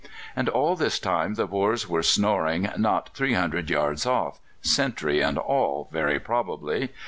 And all this time the Boers were snoring not 300 yards off, sentry and all, very probably.